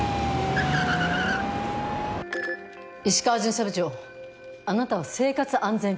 石川巡査部長あなたは生活安全課。